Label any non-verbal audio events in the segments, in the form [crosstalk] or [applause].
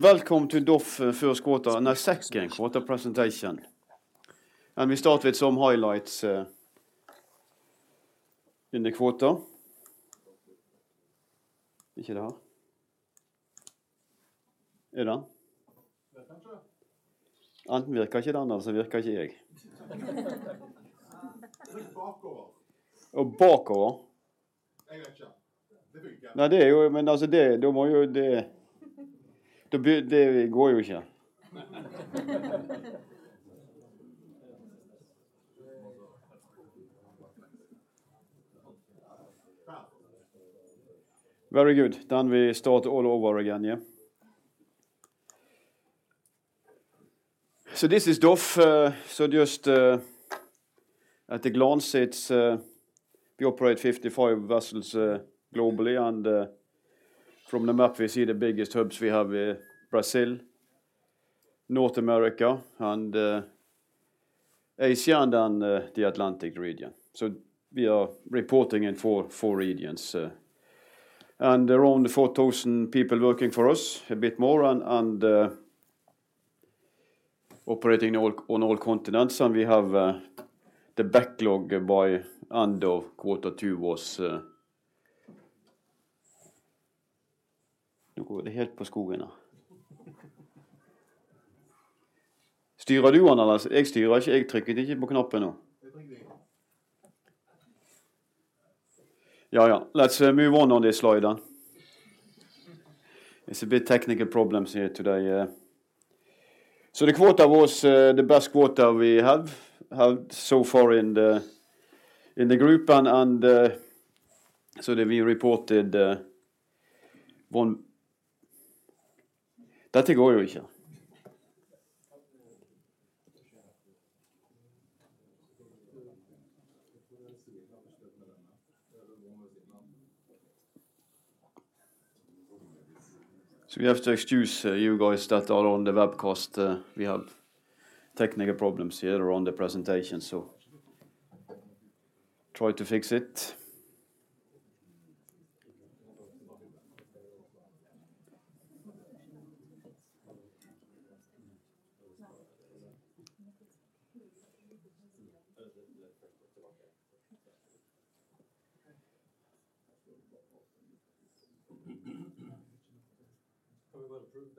Welcome to DOF first quarter, [unintelligible] second quarter presentation. We start with some highlights in the quarter. [unintelligible] [unintelligible] [unintelligible] [unintelligible] [unintelligible] [unintelligible] [unintelligible] Very good. We start all over again, yeah. This is DOF. Just at a glance, it's we operate 55 vessels globally, and from the map we see the biggest hubs we have in Brazil, North America and Asia and the Atlantic region. We are reporting in 4, 4 regions. And around 4,000 people working for us, a bit more and, and operating on all continents, and we have the backlog by end of quarter two was... [unintelligible] J. [unintelligible] [unintelligible] let's move on on this slide then. It's a bit technical problems here today, yeah. The quarter was the best quarter we have had so far in the DOF Group and, so that we reported on... [unintelligible] We have to excuse you guys that are on the webcast. We have technical problems here on the presentation, so try to fix it.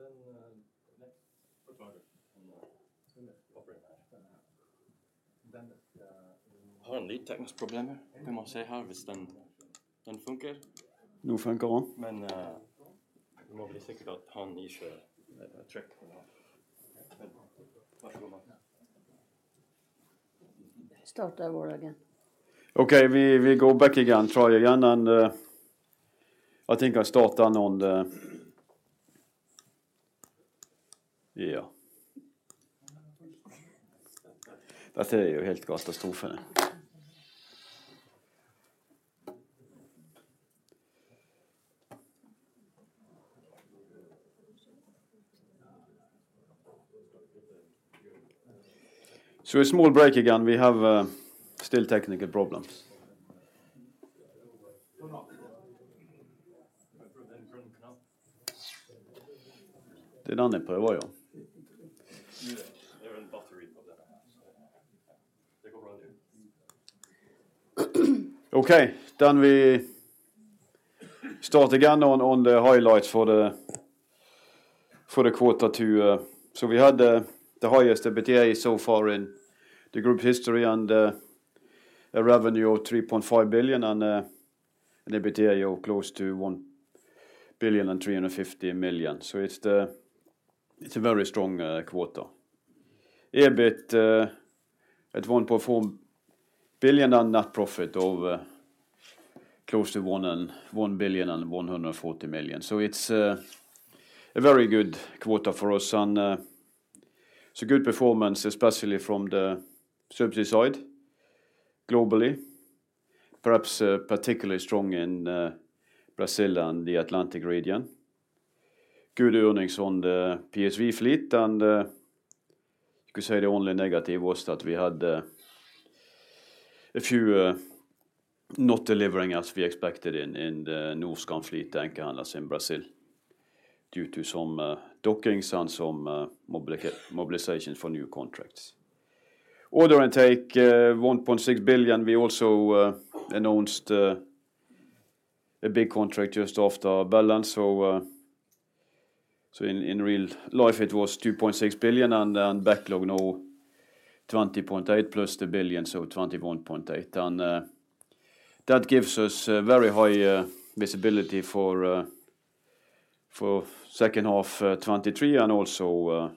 [unintelligible] [unintelligible] [unintelligible] Okay, we go back again. Try again, I think I start on the... [unintelligible] A small break again. We have still technical problems. [unintelligible] [unintelligible] Okay, we start again on the highlights for Q2. We had the highest EBITDA so far in the group history and a revenue of $3.5 billion and an EBITDA of close to $1.35 billion. It's a very strong quarter. EBIT, at $1.4 billion and net profit of close to $1.14 billion. It's a very good quarter for us and good performance, especially from the subsea side globally. Perhaps particularly strong in Brazil and the Atlantic region. Good earnings on the PSV fleet. You could say the only negative was that we had a few not delivering as we expected in the Norskan fleet and also in Brazil, due to some dockings and some mobilization for new contracts. Order intake $1.6 billion. We also announced a big contract just after balance. In real life, it was $2.6 billion and then backlog now $20.8 billion plus the billion, so $21.8 billion. That gives us a very high visibility for second half 2023. Also,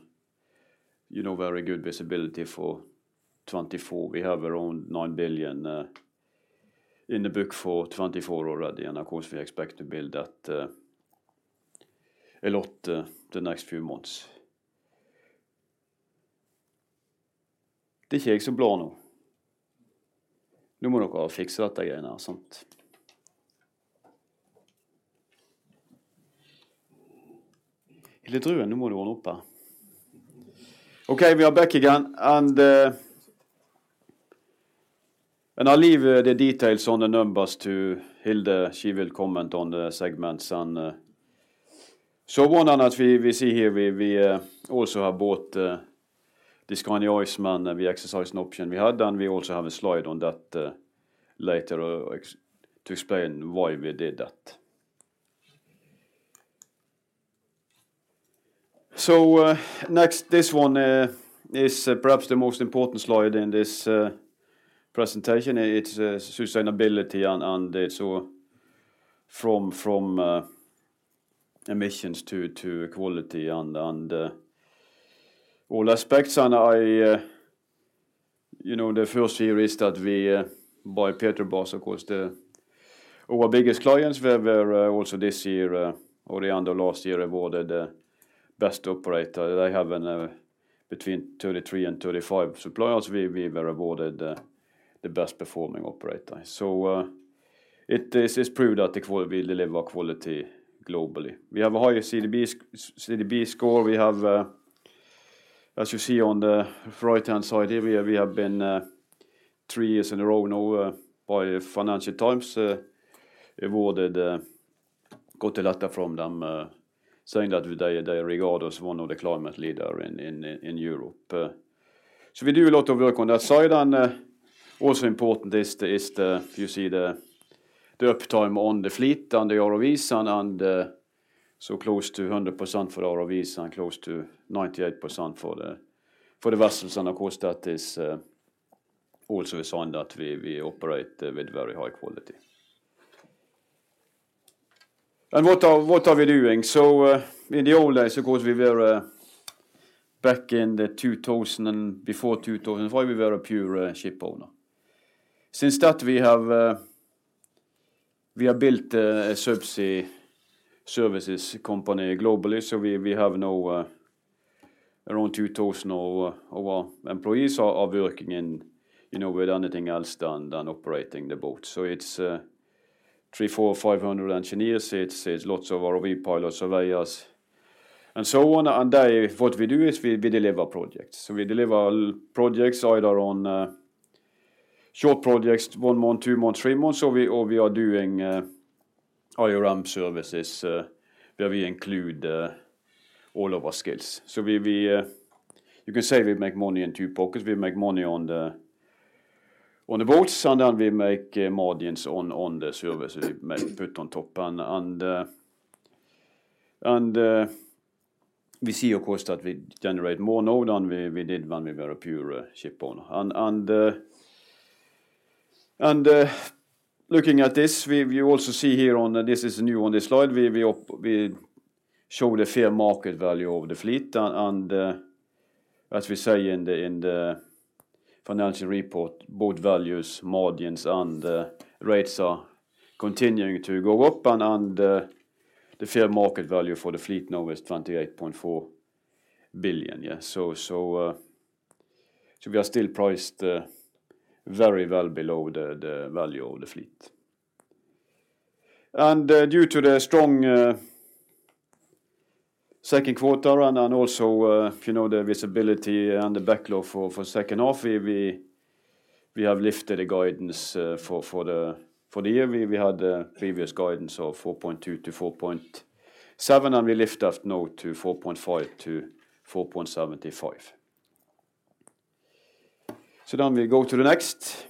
you know, very good visibility for 2024. We have around $9 billion in the book for 2024 already, and of course, we expect to build that a lot the next few months. [unintelligible] Hilde Drønen. [unintelligible] Okay, we are back again. I leave the details on the numbers to Hilde. She will comment on the segments and, so one and that we see here, we also have bought the Skandi Iceman, and we exercise an option we had, and we also have a slide on that later to explain why we did that. Next, this one is perhaps the most important slide in this presentation. It's sustainability and, and it's from, from emissions to, to equality and, and all aspects. I, you know, the first here is that we, by Petrobras, of course, the our biggest clients, were also this year, or the end of last year, awarded the best operator. They have between 33 and 35 suppliers. We, we were awarded the best performing operator. It is, it's proved that we deliver quality globally. We have a high CDP score. We have, as you see on the right-hand side here, we, we have been 3 years in a row now, by Financial Times, awarded, got a letter from them, saying that they, they regard us one of the climate leader in, in, in Europe. We do a lot of work on that side, also important is the, is the, you see the, the uptime on the fleet and the ROV, and, and, close to 100% for ROV and close to 98% for the, for the vessels. Of course, that is, also a sign that we, we operate, with very high quality. What are, what are we doing? In the old days, of course, we were, back in the 2000 and before 2005, we were a pure, ship owner. Since that, we have, we have built, a subsea services company globally. We, we have now, around 2,000 of our employees are, are working in, you know, with anything else than, than operating the boat. It's, 3, 4, 500 engineers. It's, it's lots of ROV pilots, surveyors, and so on. They, what we do is we, we deliver projects. We deliver projects either on short projects, one month, two months, three months, or we, or we are doing IRM services, where we include all of our skills. We, we. You can say we make money in two pockets. We make money on the, on the boats, and then we make margins on, on the services. We make put on top and, and, and, we see, of course, that we generate more now than we, we did when we were a pure ship owner. Looking at this, we, we also see here on the this is new on this slide, we, we show the fair market value of the fleet. As we say in the financial report, both values, margins and rates are continuing to go up, the fair market value for the fleet now is 28.4 billion. So we are still priced very well below the value of the fleet. Due to the strong second quarter, and also, you know, the visibility and the backlog for second half, we have lifted the guidance for the year. We had the previous guidance of 4.2-4.7, and we lift up now to 4.5-4.75. We go to the next.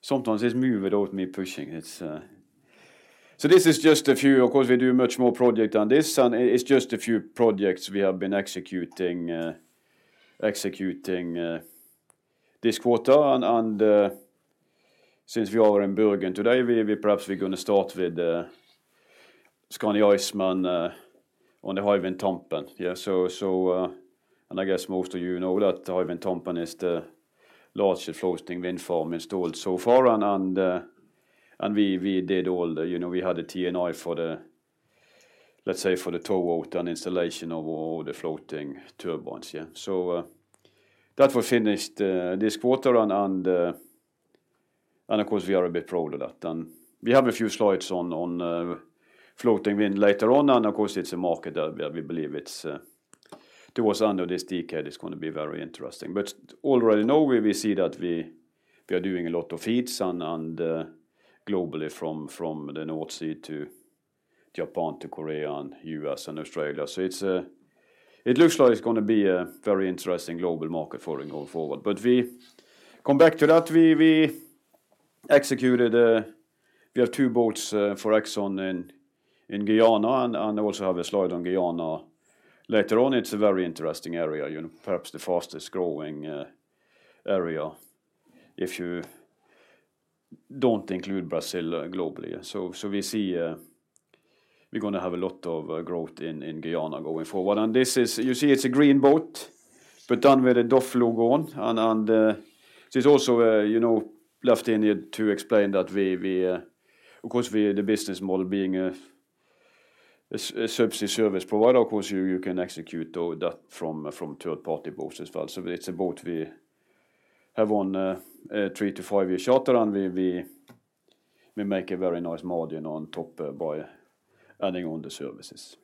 Sometimes it move without me pushing. It's... This is just a few. Of course, we do much more project than this, and it's just a few projects we have been executing, executing this quarter. Since we are in Bergen today, we perhaps we're gonna start with Skandi Iceman on the Hywind Tampen. Yeah, so, and I guess most of you know that the Hywind Tampen is the largest floating wind farm installed so far, and we did all the... You know, we had the T&I for the, let's say, for the tow out and installation of all the floating turbines. Yeah. That was finished this quarter, and of course, we are a bit proud of that. We have a few slides on, on floating wind later on, and of course, it's a market that we, we believe it's towards the end of this decade, it's gonna be very interesting. Already now, we, we see that we, we are doing a lot of FEEDs and, and globally from, from the North Sea to Japan, to Korea, and U.S., and Australia. It's it looks like it's gonna be a very interesting global market for it going forward. We come back to that. We, we executed, we have two boats for Exxon in, in Guyana, and, and also have a slide on Guyana later on. It's a very interesting area, you know, perhaps the fastest-growing area, if you don't include Brazil globally. We see we're gonna have a lot of growth in Guyana going forward. This is you see it's a green boat, but then with the DOF logo on, this is also, you know, left in here to explain that we, we, of course, we, the business model being a subsea service provider, of course, you, you can execute that from third-party boats as well. It's a boat we have on a 3-5-year charter, and we, we, we make a very nice margin on top by adding on the services.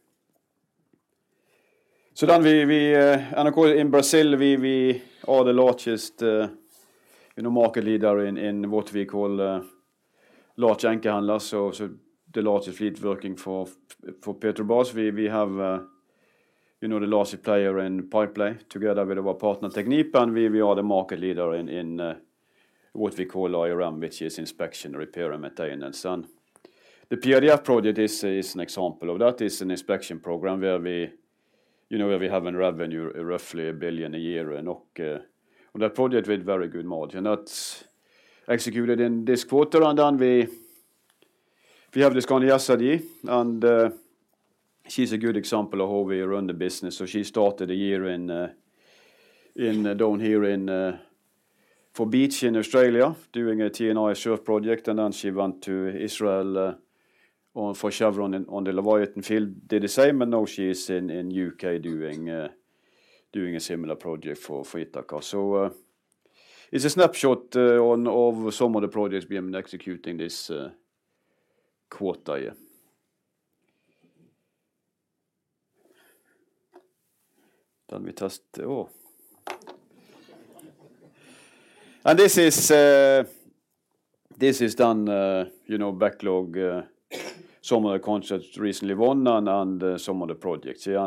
We, we, and of course, in Brazil, we, we are the largest, you know, market leader in what we call large anchor handlers. The largest fleet working for Petrobras. We, we have, you know, the largest player in pipelay, together with our partner, TechnipFMC, and we, we are the market leader in, in, what we call IRM, which is inspection, repair and maintenance. The PIDF project is, is an example of that, is an inspection program where we, you know, where we have an revenue roughly $1 billion a year and, that project with very good margin. That's executed in this quarter, and then we, we have the Skandi Açu, and, she's a good example of how we run the business. She started a year in, in down here in, for Beach in Australia, doing a T&I shelf project. Then she went to Israel, on for Chevron on the Leviathan field, did the same. Now she is in, in U.K. doing, doing a similar project for, for Ithaca. It's a snapshot on, of some of the projects we have been executing this quarter, yeah. We test... Oh. This is, this is done, you know, backlog, some of the contracts recently won and, and some of the projects. Yeah.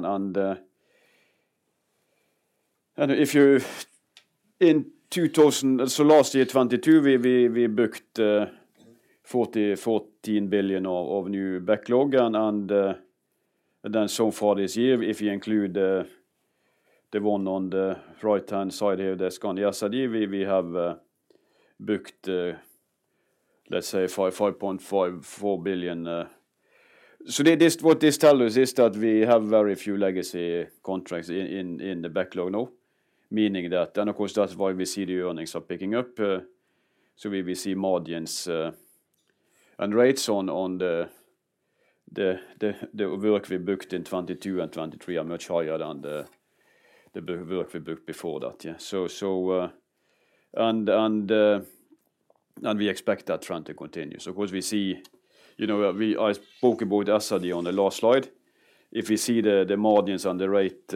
In 2000, so last year, 2022, we, we, we booked, 40, $14 billion of, of new backlog. Then so far this year, if you include, the one on the right-hand side here, the Skandi Açu, we, we have, booked, let's say 5, $5.5, $4 billion. This, what this tell us is that we have very few legacy contracts in, in, in the backlog now, meaning that, and of course, that's why we see the earnings are picking up, so we, we see margins, and rates on, on the, the, the, the work we booked in 2022 and 2023 are much higher than the, the work we booked before that. Yeah, so, so. We expect that trend to continue. Of course, we see... You know, we, I spoke about Açu on the last slide. If you see the, the margins on the rate,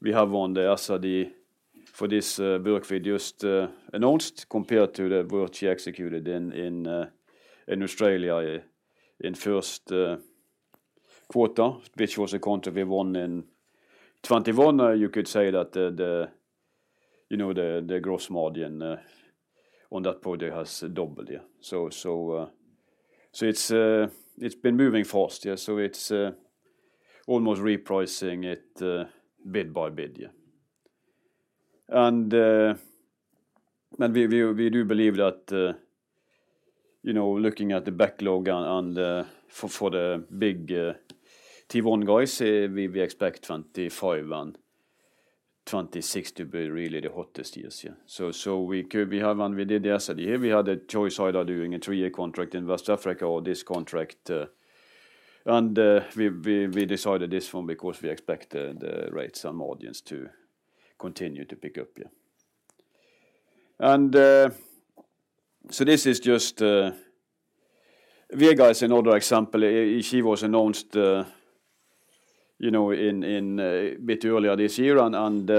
we have on the Açu for this work we just announced, compared to the work she executed in Australia in first quarter, which was a contract we won in 2021. You could say that the, the, you know, the, the gross margin on that project has doubled, yeah. It's been moving fast, yeah. It's almost repricing it bid by bid, yeah. But we, we, we do believe that, you know, looking at the backlog and for, for the big tier one guys, we, we expect 2025 and 2026 to be really the hottest years, yeah. We could, we have and we did yesterday. We had a choice either doing a 3-year contract in West Africa or this contract, and we decided this one because we expect the rates and margins to continue to pick up. This is just Skandi Vega is another example. She was announced, you know, in a bit earlier this year, and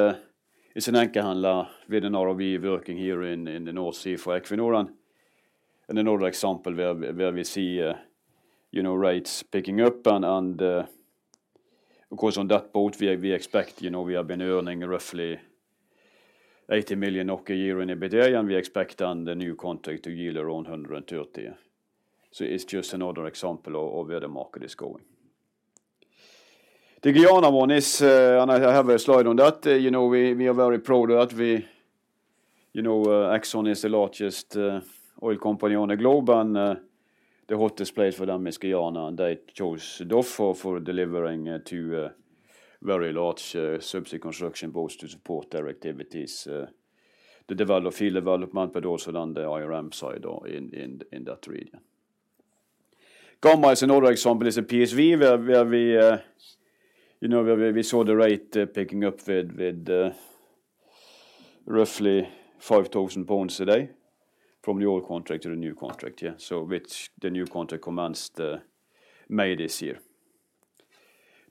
it's an anchor handler with Norway working here in the North Sea for Equinor. Another example where we see, you know, rates picking up, and of course, on that boat, we expect, you know, we have been earning roughly 80 million NOK a year in EBITDA, and we expect on the new contract to yield around 130 million. It's just another example of where the market is going. The Guyana one is, and I have a slide on that. You know, we, we are very proud that we... You know, Exxon is the largest oil company on the globe, and the hottest place for them is Guyana, and they chose DOF for delivering two very large subsea construction boats to support their activities, the field development, but also on the IRM side, in that region. Gamma is another example, is a PSV, where we, you know, where we saw the rate picking up with roughly 5,000 pounds a day from the old contract to the new contract, yeah. Which the new contract commenced May this year.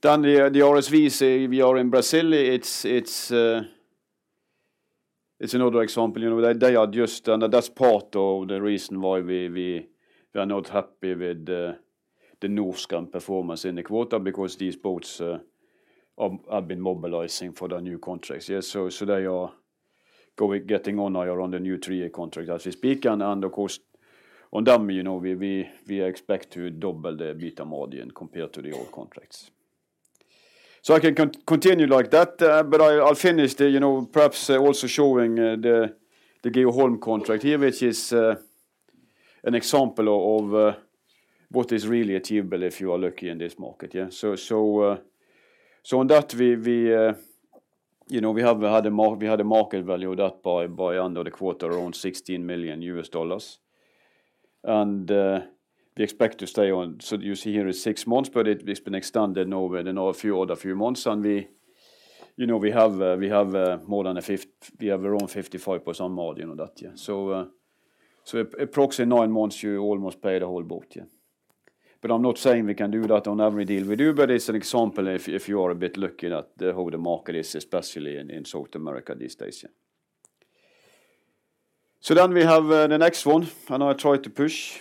The, the RSVs we are in Brazil, it's, it's, it's another example, you know, they are and that's part of the reason why we, we, we are not happy with the, the Norskan performance in the quarter, because these boats are, have been mobilizing for the new contracts. They are going, getting on the new three-year contract as we speak. Of course, on them, you know, we, we, we expect to double the EBITDA margin compared to the old contracts. I can continue like that, but I, I'll finish the, you know, perhaps also showing the, the Geoholm contract here, which is an example of what is really achievable if you are lucky in this market, yeah. On that, we, you know, we have had a market value of that by, by end of the quarter, around $16 million. We expect to stay on, so you see here, it's six months, but it, it's been extended now with another few, other few months. You know, we have, we have, more than a we have around 55% margin on that, yeah. Approximately nine months, you almost pay the whole boat, yeah. I'm not saying we can do that on every deal we do, but it's an example if, if you are a bit lucky that how the market is, especially in South America these days, yeah. We have the next one. I try to push.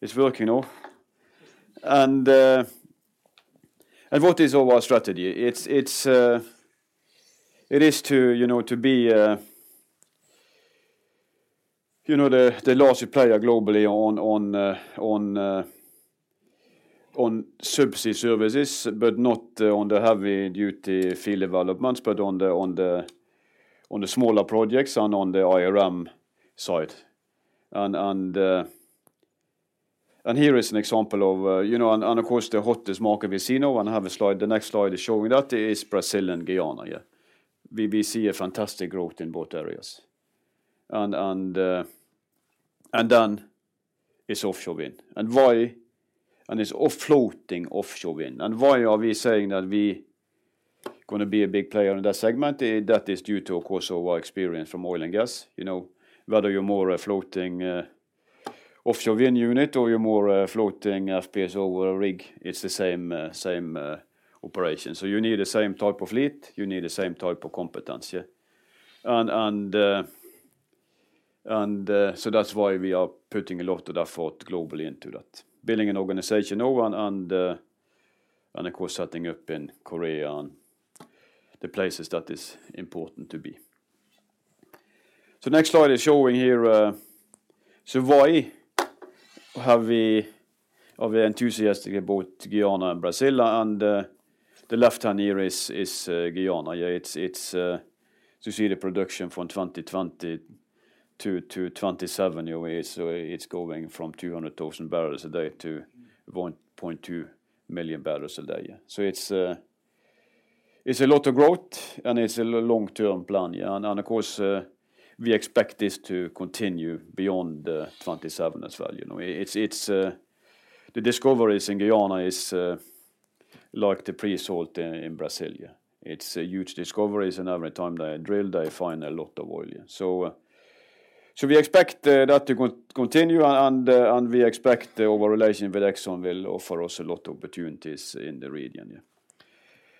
It's working now. What is our strategy? It's, it's, it is to, you know, to be, you know, the, the largest player globally on, on, on subsea services, but not on the heavy-duty field developments, but on the, on the, on the smaller projects and on the IRM side. Here is an example of, you know, and, of course, the hottest market we see now, and I have a slide, the next slide is showing that is Brazil and Guyana, yeah. We, we see a fantastic growth in both areas. Then is offshore wind. Is floating offshore wind. Why are we saying that we gonna be a big player in that segment? That is due to, of course, our experience from oil and gas. You know, whether you're more a floating offshore wind unit or you're more a floating FPSO rig, it's the same, same operation. You need the same type of fleet, you need the same type of competence, yeah? That's why we are putting a lot of effort globally into that. Building an organization now and, and, and of course, setting up in Korea and the places that is important to be. Next slide is showing here, so why have we, are we enthusiastic about Guyana and Brazil? The left-hand here is Guyana. Yeah, it's, so you see the production from 2020 to 2027, you know, it's going from 200,000 barrels a day to 1.2 million barrels a day, yeah. It's a lot of growth, and it's a long-term plan, yeah. We expect this to continue beyond 2027 as well, you know. It's the discoveries in Guyana is like the pre-salt in Brazil, yeah. It's a huge discoveries, and every time they drill, they find a lot of oil, yeah. We expect that to continue, and we expect our relationship with Exxon will offer us a lot of opportunities in the region,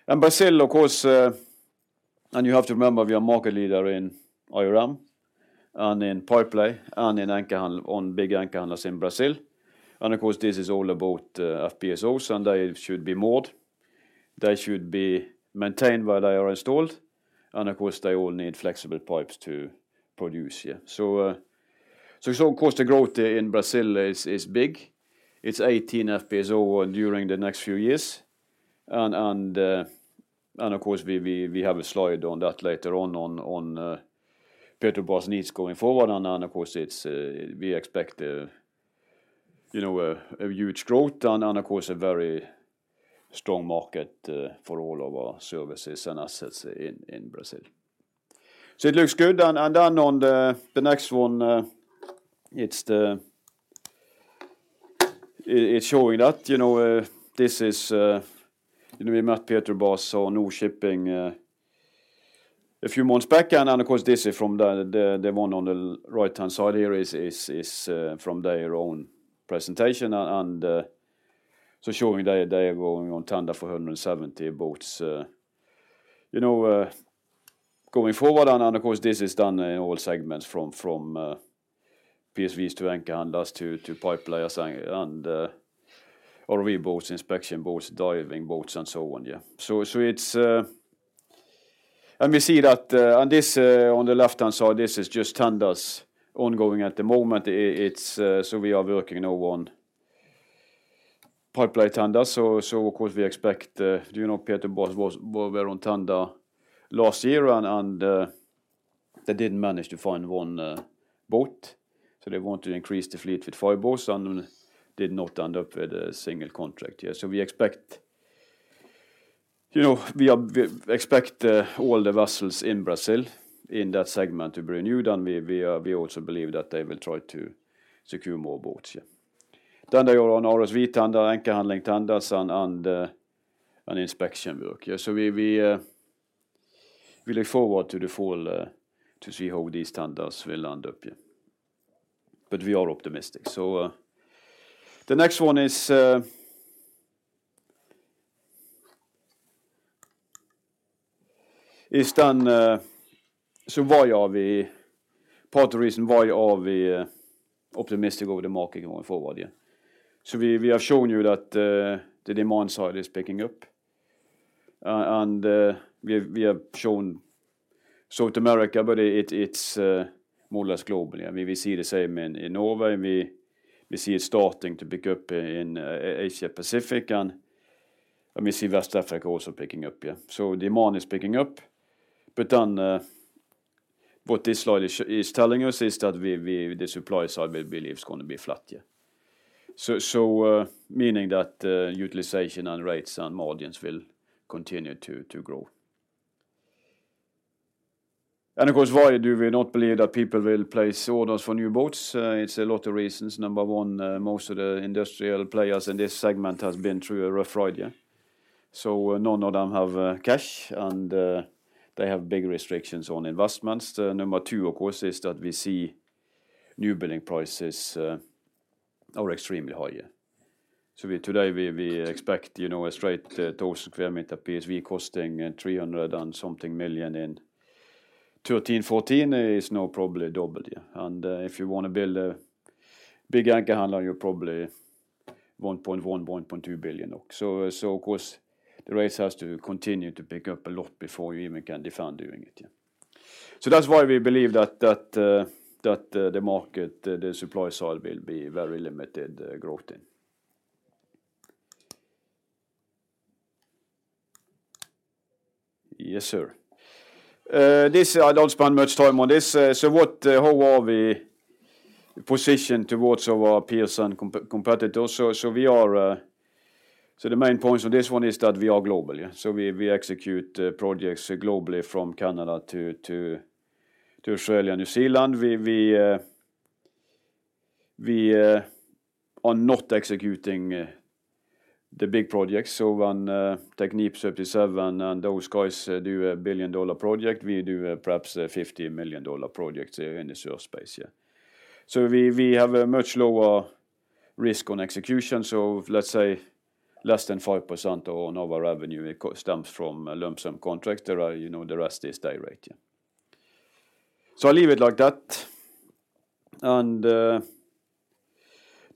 yeah. Brazil, of course. You have to remember, we are market leader in IRM and in pipeline and in big anchor handlers in Brazil. Of course, this is all about FPSOs, and they should be moored. They should be maintained where they are installed, of course, they all need flexible pipes to produce, yeah. Of course, the growth in Brazil is big. It's 18 FPSO during the next few years, and of course, we have a slide on that later on, on Petrobras needs going forward, and of course, it's, we expect, you know, a huge growth, and of course, a very strong market for all of our services and assets in Brazil. It looks good. On the next one, it's showing that, you know, this is, you know, we met Petrobras, Sonangol Shipping, a few months back. Of course, this is from the one on the right-hand side here, from their own presentation. Showing they are going on tender for 170 boats, you know, going forward. Of course, this is done in all segments from PSVs to anchor handlers to pipe layers, or ROV boats, inspection boats, diving boats, and so on, yeah. We see that on this, on the left-hand side, this is just tenders ongoing at the moment. It's, we are working now on pipeline tenders, so of course, we expect, you know, Petrobras was, were on tender last year, and they didn't manage to find 1 boat. They want to increase the fleet with 5 boats and did not end up with a single contract yet. We expect, you know, we expect all the vessels in Brazil in that segment to bring you, we also believe that they will try to secure more boats. They are on ROV tender, anchor handling tenders, and inspection work. We look forward to the fall, to see how these tenders will end up. We are optimistic. The next one is... Is then part of the reason why are we optimistic over the market going forward? We, we have shown you that the demand side is picking up, and we have, we have shown South America, but it, it's more or less globally. We, we see the same in Norway. We, we see it starting to pick up in Asia-Pacific, and we see West Africa also picking up. Demand is picking up, but then what this slide is telling us is that the supply side, we believe, is gonna be flat. Meaning that utilization and rates and margins will continue to grow. Of course, why do we not believe that people will place orders for new boats? It's a lot of reasons. Number one, most of the industrial players in this segment has been through a rough ride, yeah. None of them have cash, and they have big restrictions on investments. Number two, of course, is that we see new building prices are extremely high, yeah. Today, we, we expect, you know, a straight, 2,000 square meter PSV costing, 300 and something million in 13, 14, is now probably double, yeah. If you want to build a big anchor handler, you probably 1.1 billion-1.2 billion. Of course, the race has to continue to pick up a lot before you even can defend doing it, yeah. That's why we believe that, that, the market, the, the supply side will be very limited growth in. Yes, sir. This, I don't spend much time on this. What, how are we positioned towards our peers and competitors? We are... The main points of this one is that we are global, yeah. We execute projects globally from Canada to Australia, New Zealand. We are not executing the big projects. When TechnipFMC, Subsea 7 and those guys do a $1 billion project, we do perhaps a $50 million project in the offshore space, yeah. We have a much lower risk on execution. Let's say less than 5% of our revenue stems from a lump sum contract. The, you know, the rest is direct. I leave it like that.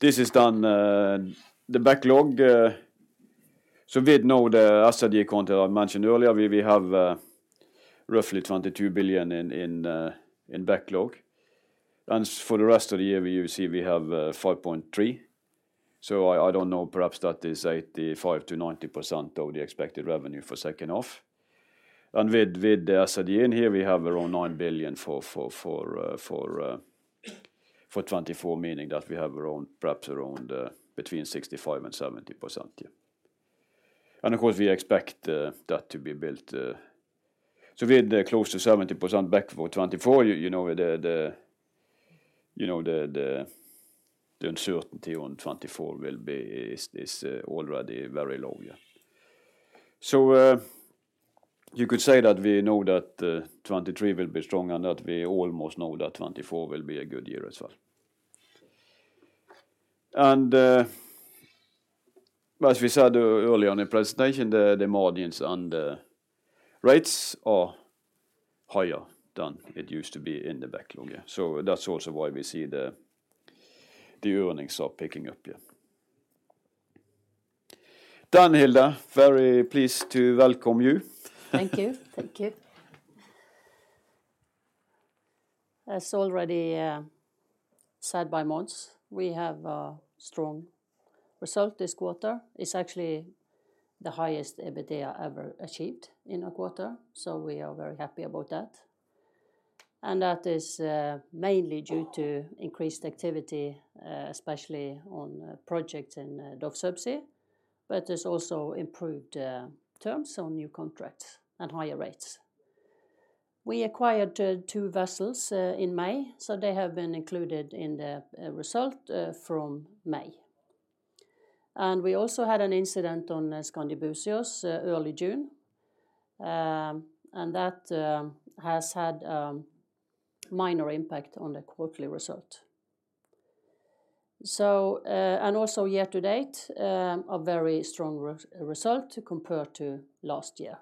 This is then the backlog. With now the as at year quarter, I mentioned earlier, we, we have roughly $22 billion in, in backlog. For the rest of the year, we usually we have $5.3 billion. I, I don't know, perhaps that is 85%-90% of the expected revenue for second half. With, with the as at year, here, we have around $9 billion for, for, for, for 2024, meaning that we have around, perhaps around, between 65% and 70%, yeah. Of course, we expect that to be built... With close to 70% back for 2024, you know, the uncertainty on 2024 will be, is already very low. You could say that we know that 2023 will be strong and that we almost know that 2024 will be a good year as well. As we said earlier in the presentation, the margins and the rates are higher than it used to be in the backlog. That's also why we see the earnings are picking up. Hilde, very pleased to welcome you. Thank you. Thank you. As already said by Mons, we have a strong result this quarter. It's actually the highest EBITDA ever achieved in a quarter, so we are very happy about that. That is mainly due to increased activity, especially on a project in subsea, but it's also improved terms on new contracts and higher rates. We acquired two vessels in May, so they have been included in the result from May. We also had an incident on Skandi Buzios early June, and that has had minor impact on the quarterly result. Year to date, a very strong result compared to last year.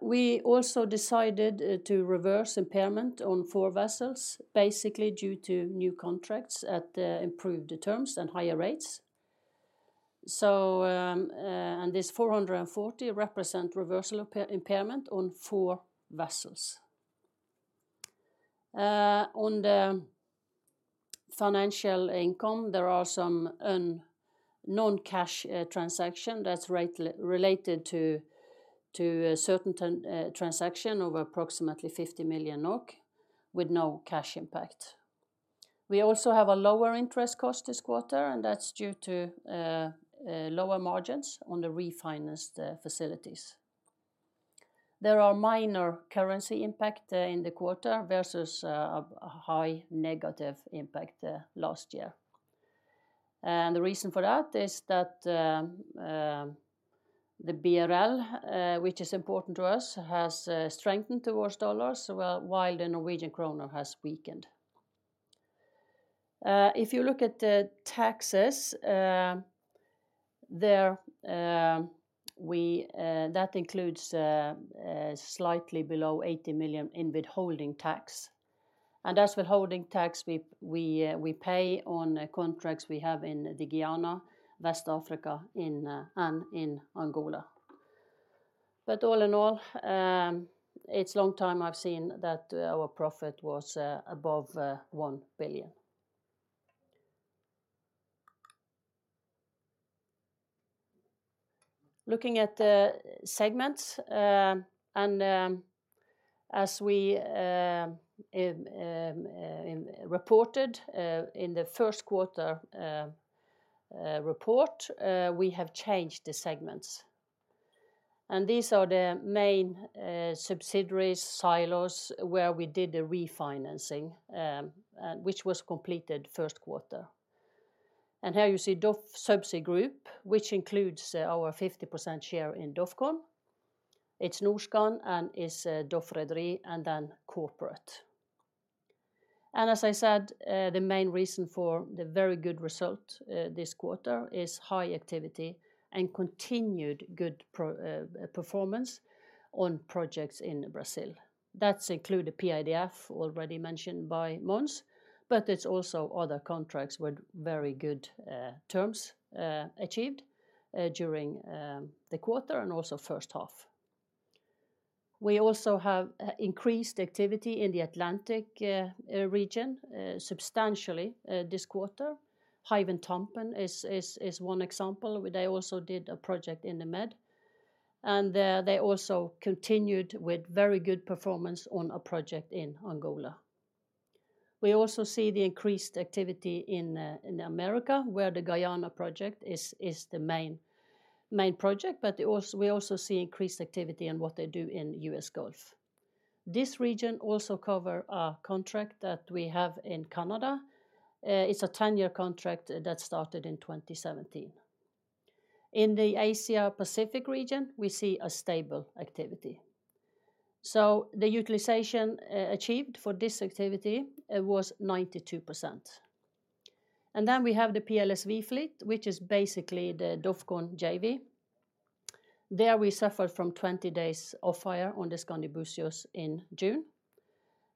We also decided to reverse impairment on four vessels, basically due to new contracts at improved terms and higher rates. This 440 represent reversal impairment on four vessels. On the financial income, there are some non-cash transaction that's related to a certain transaction over approximately 50 million NOK with no cash impact. We also have a lower interest cost this quarter, that's due to lower margins on the refinanced facilities. There are minor currency impact in the quarter versus a high negative impact last year. The reason for that is that the BRL, which is important to us, has strengthened towards United States dollar, while the Norwegian krone has weakened. If you look at the taxes, there that includes slightly below 80 million in withholding tax. That's withholding tax we, we pay on contracts we have in the Guyana, West Africa, and in Angola. All in all, it's a long time I've seen that our profit was above $1 billion. Looking at the segments, as we reported in the first quarter report, we have changed the segments. These are the main subsidiaries, silos, where we did the refinancing, which was completed first quarter. Here you see DOF Subsea Group, which includes our 50% share in DOFCON. It's Norskan and it's DOF Rederi, and then Corporate. As I said, the main reason for the very good result this quarter, is high activity and continued good performance on projects in Brazil. That's include the PIDF, already mentioned by Mons, but it's also other contracts with very good terms achieved during the quarter and also first half. We also have increased activity in the Atlantic region substantially this quarter. Hywind Tampen is one example, where they also did a project in the Med. They also continued with very good performance on a project in Angola. We also see the increased activity in America, where the Guyana project is the main project. We also see increased activity in what they do in US Gulf. This region also cover a contract that we have in Canada. It's a 10-year contract that started in 2017. In the Asia Pacific region, we see a stable activity. The utilization achieved for this activity, it was 92%. Then we have the PLSV fleet, which is basically the DOFCON JV. There we suffered from 20 days of fire on the Skandi Buzios in June.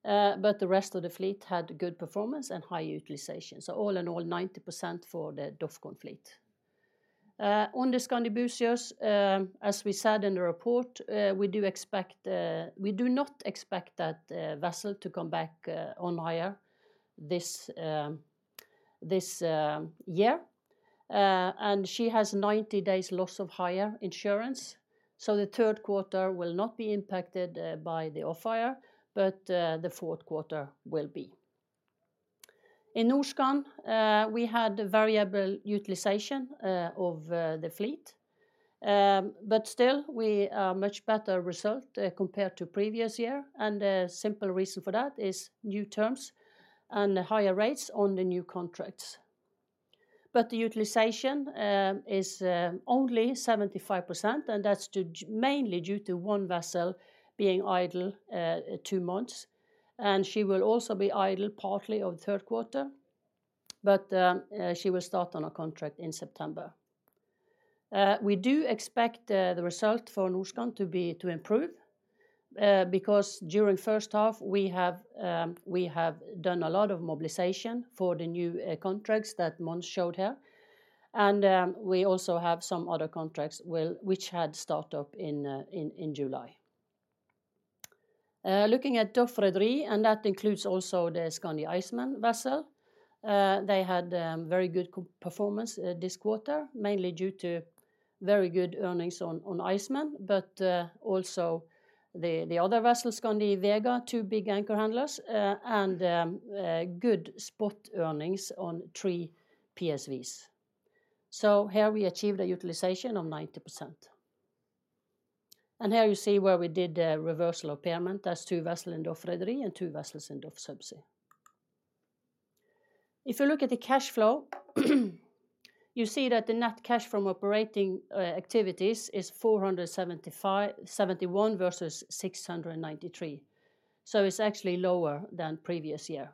The rest of the fleet had good performance and high utilization. All in all, 90% for the DOFCON fleet. On the Skandi Buzios, as we said in the report, We do not expect that vessel to come back on hire this this year. And she has 90 days loss of hire insurance, the third quarter will not be impacted by the off-hire, the fourth quarter will be. Norskan, we had variable utilization of the fleet. Still, we are much better result compared to previous year, and the simple reason for that is new terms and higher rates on the new contracts. The utilization is only 75%, and that's mainly due to one vessel being idle two months. She will also be idle partly of the third quarter, but she will start on a contract in September. We do expect the result for Norskan to be, to improve, because during first half, we have, we have done a lot of mobilization for the new contracts that Mons showed here. We also have some other contracts which had start up in, in, in July. Looking at DOF Rederi, that includes also the Skandi Iceman vessel. They had very good co-performance this quarter, mainly due to very good earnings on Iceman, but also the other vessels, Skandi Vega, two big anchor handlers, and good spot earnings on three PSVs. Here we achieved a utilization of 90%. Here you see where we did the reversal of payment. That's two vessel in DOF Rederi and two vessels in DoF Subsea. If you look at the cash flow, you see that the net cash from operating activities is $475.71 million versus $693 million. It's actually lower than previous year.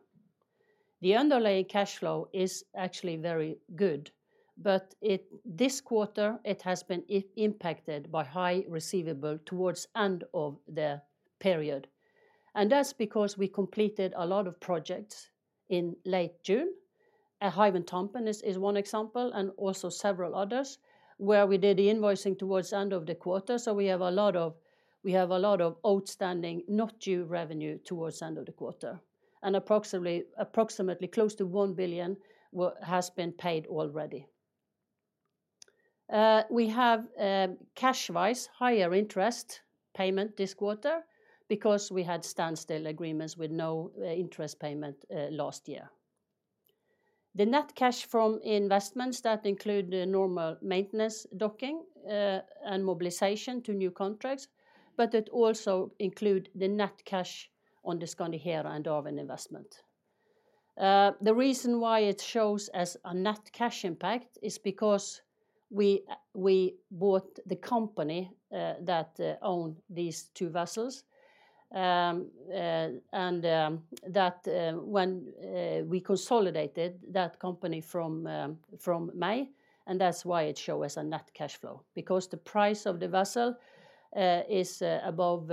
The underlying cash flow is actually very good, but this quarter, it has been impacted by high receivable towards end of the period. That's because we completed a lot of projects in late June, Hywind Tampen is one example, and also several others, where we did the invoicing towards end of the quarter. We have a lot of outstanding, not due revenue towards end of the quarter, and approximately close to 1 billion has been paid already. We have cash-wise, higher interest payment this quarter, because we had standstill agreements with no interest payment last year. The net cash from investments, that include the normal maintenance, docking, and mobilization to new contracts, but it also include the net cash on the Skandi Hera and Darwin investment. The reason why it shows as a net cash impact is because we bought the company that owned these two vessels. That when we consolidated that company from May, and that's why it show as a net cash flow. Because the price of the vessel is above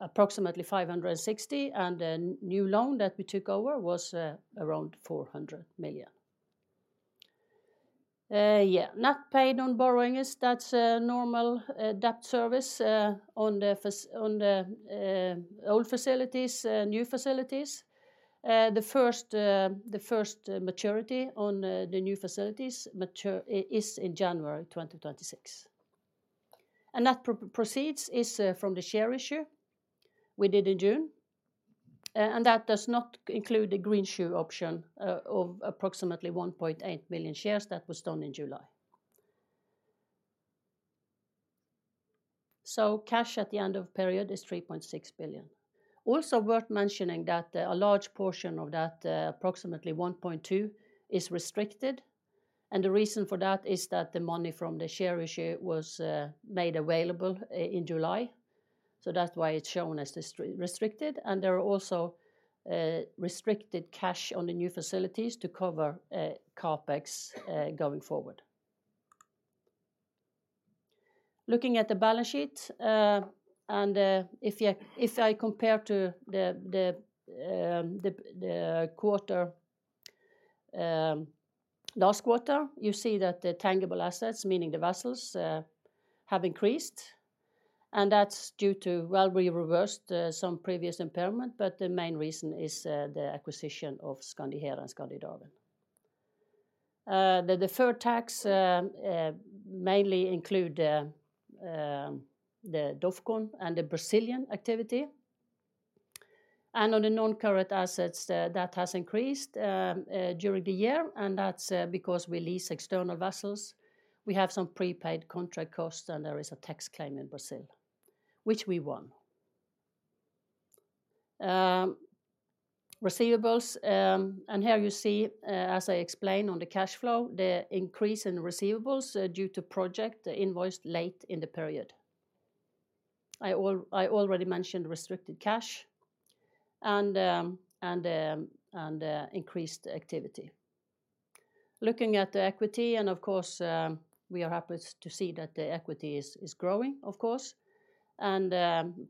approximately 560, and a new loan that we took over was around 400 million. Net paid on borrowing is, that's a normal debt service on the old facilities, new facilities. The first the first maturity on the new facilities is in January 2026. That proceeds is from the share issue we did in June. That does not include the greenshoe option of approximately 1.8 million shares that was done in July. Cash at the end of period is 3.6 billion. Also worth mentioning that a large portion of that, approximately 1.2 billion, is restricted, and the reason for that is that the money from the share issue was made available in July. That's why it's shown as restricted. There are also restricted cash on the new facilities to cover CapEx going forward. Looking at the balance sheet, and if you, if I compare to the the quarter last quarter, you see that the tangible assets, meaning the vessels, have increased, and that's due to we reversed some previous impairment, but the main reason is the acquisition of Skandi Hera and Skandi Darwin. The deferred tax mainly include the DOFCON and the Brazilian activity. On the non-current assets, that has increased during the year, and that's because we lease external vessels. We have some prepaid contract costs, and there is a tax claim in Brazil, which we won. Receivables, and here you see, as I explained on the cash flow, the increase in receivables due to project invoiced late in the period. I already mentioned restricted cash and increased activity. Looking at the equity, of course, we are happy to see that the equity is growing, of course, and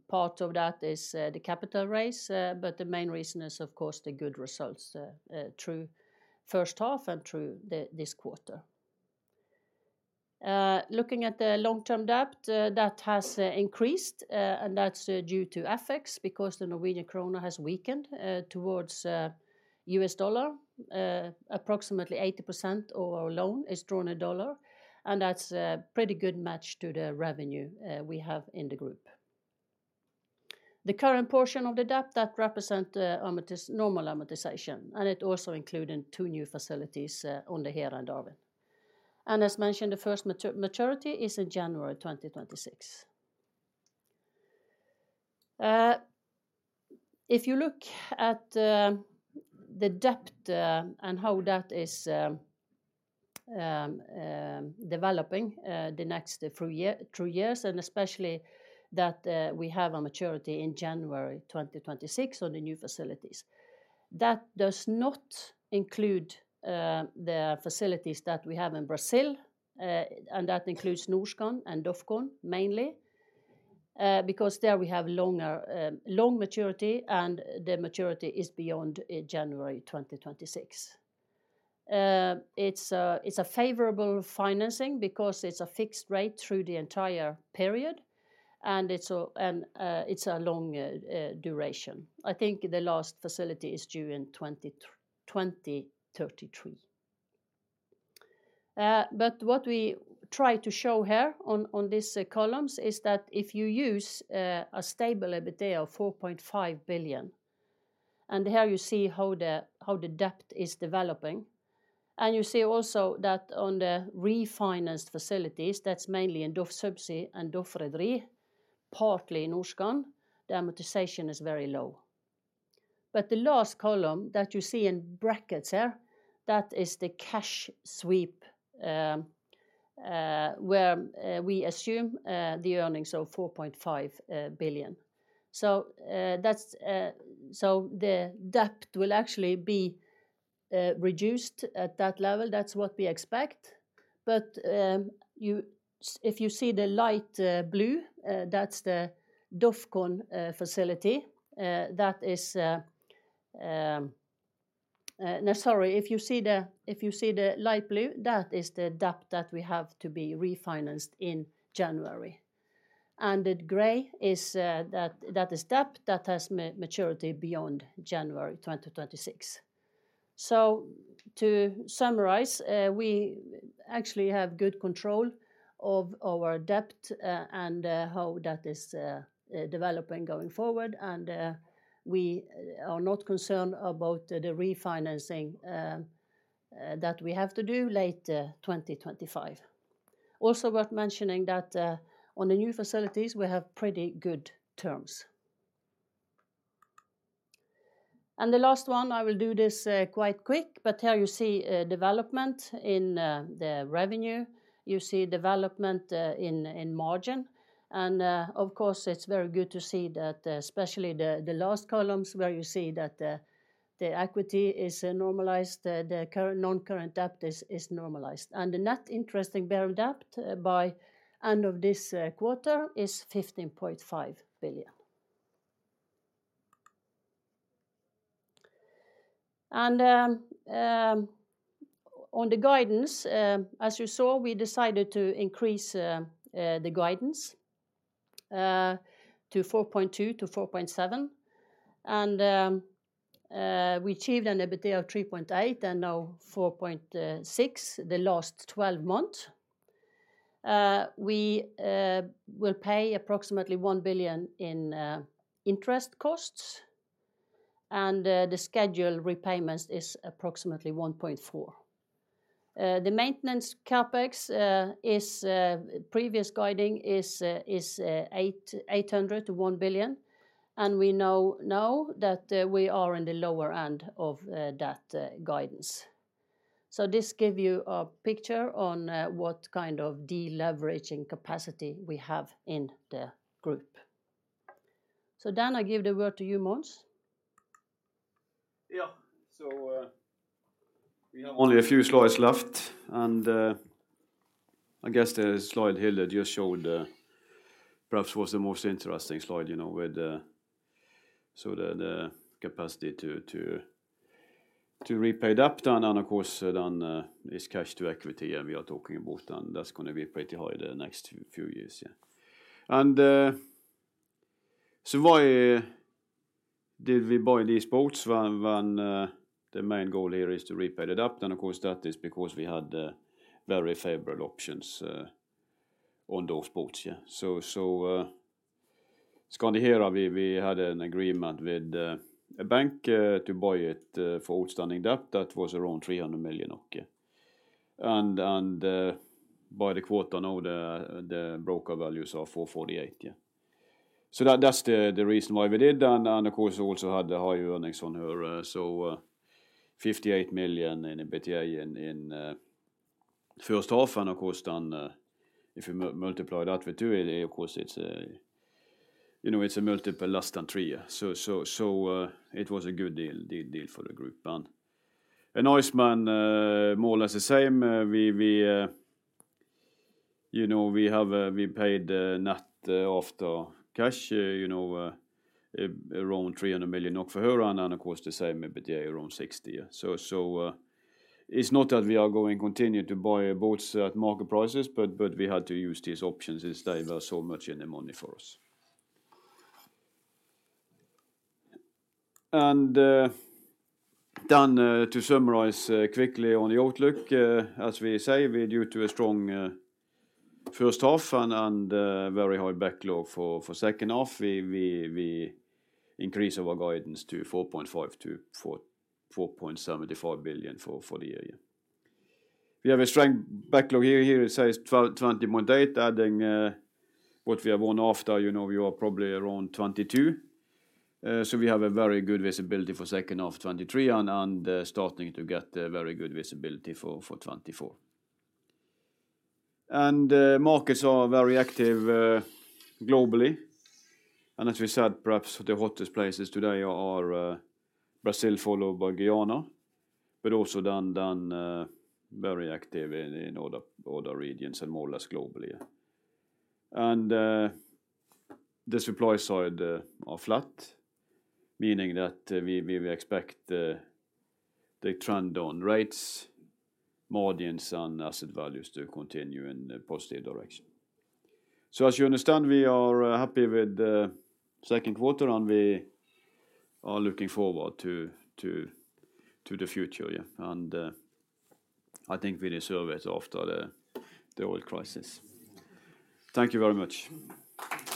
part of that is the capital raise. The main reason is, of course, the good results through first half and through the, this quarter. Looking at the long-term debt, that has increased, and that's due to FX, because the Norwegian krone has weakened towards US dollar. Approximately 80% of our loan is drawn in dollar, and that's a pretty good match to the revenue we have in the group. The current portion of the debt that represent normal amortization, and it also included two new facilities on the Hera and Darwin. As mentioned, the first maturity is in January 2026. If you look at the debt, and how that is developing, the next three year, three years, and especially that, we have a maturity in January 2026 on the new facilities. That does not include the facilities that we have in Brazil, and that includes Norskan and DOFCON mainly, because there we have longer, long maturity, and the maturity is beyond January 2026. It's a favorable financing because it's a fixed rate through the entire period, and it's a long duration. I think the last facility is due in 2033. But what we try to show here on these columns is that if you use a stable EBITDA of 4.5 billion, and here you see how the debt is developing, and you see also that on the refinanced facilities, that's mainly in DOF Subsea and DOF Rederi, partly Norskan, the amortization is very low. The last column that you see in brackets here, that is the cash sweep, where we assume the earnings of $4.5 billion. That's so the debt will actually be reduced at that level. That's what we expect. If you see the light blue, that's the DOFCON facility, that is. No, sorry, if you see the light blue, that is the debt that we have to be refinanced in January. The gray is that, that is debt that has maturity beyond January 2026. To summarize, we actually have good control of our debt and how that is developing going forward, and we are not concerned about the refinancing that we have to do late 2025. Also worth mentioning that on the new facilities, we have pretty good terms. The last one, I will do this quite quick, but here you see development in the revenue, you see development in margin. Of course, it's very good to see that, especially the last columns, where you see that the equity is normalized, the current, non-current debt is normalized. The net interest-bearing debt by end of this quarter is 15.5 billion. On the guidance, as you saw, we decided to increase the guidance to $4.2-$4.7. We achieved an EBITDA of $3.8 and now $4.6 the last 12 months. We will pay approximately $1 billion in interest costs, and the scheduled repayments is approximately $1.4 billion. The maintenance CapEx is previous guiding is $800 million-$1 billion, and we know now that we are in the lower end of that guidance. This give you a picture on what kind of deleveraging capacity we have in the group. I give the word to you, Mons. Yeah. We have only a few slides left, and I guess the slide Hilde just showed, perhaps was the most interesting slide, you know, with the, so the, the capacity to, to, to repay debt down, and of course, then, this cash to equity, and we are talking about then that's gonna be pretty high the next few years. Why did we buy these boats? When, when the main goal here is to repay the debt, and of course, that is because we had very favorable options on those boats. Skandi Hera, we had an agreement with a bank to buy it for outstanding debt. That was around 300 million. By the quarter, now the broker values are 448 million. That, that's the, the reason why we did, and, and of course, also had high earnings on her, so, 58 million in EBITDA in, in, first half, and of course, then, if you multiply that with two, of course, it's, you know, it's a multiple less than 3. It was a good deal, deal, deal for the group. Skandi Iceman, more or less the same, we, we, you know, we have, we paid, net after cash, you know, around 300 million for her, and then, of course, the same EBITDA, around 60. It's not that we are going continue to buy boats at market prices, but, but we had to use these options since they were so much in the money for us. And, uh, then, uh, to summarize, uh, quickly on the outlook, uh, as we say, we're due to a strong, uh, first half and, and, uh, very high backlog for, for second half, we, we, we increase our guidance to four point five to four, four point seventy-five billion for, for the year. We have a strong backlog here, here it says twen- twenty point eight, adding, uh, what we have won after, you know, we are probably around twenty-two. Uh, so we have a very good visibility for second half 2023 and, and, uh, starting to get a very good visibility for, for 2024. And, uh, markets are very active, uh, globally. And as we said, perhaps the hottest places today are, uh, Brazil, followed by Guyana, but also then, then, uh, very active in, in other, other regions and more or less globally. The supply side are flat, meaning that, we, we expect, the trend on rates, margins, and asset values to continue in a positive direction. As you understand, we are, happy with the second quarter, and we are looking forward to, to, to the future, yeah, and, I think we deserve it after the, the oil crisis. Thank you very much.